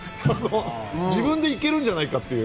自分でいけるんじゃないかって。